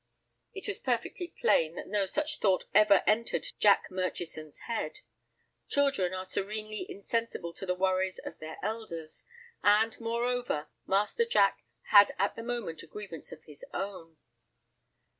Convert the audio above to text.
It was perfectly plain that no such thought ever entered Jack Murchison's head. Children are serenely insensible to the worries of their elders, and, moreover, Master Jack had at the moment a grievance of his own.